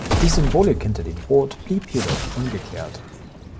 Die Symbolik hinter dem Rot blieb jedoch ungeklärt.